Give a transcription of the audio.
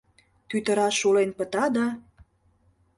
Тӱтыра шулен пыта, да